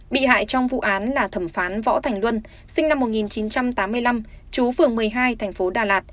bị hại trong vụ án là thẩm phán võ thành luân sinh năm một nghìn chín trăm tám mươi năm chú phường một mươi hai thành phố đà lạt